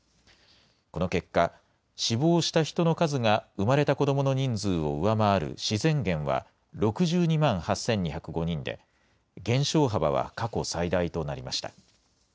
この結果、死亡した人の数が生まれた子どもの人数を上回る自然減は、６２万８２０５人で、減少幅は過去最大となりました。